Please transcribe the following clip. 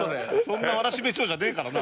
そんなわらしべ長者ねえからな。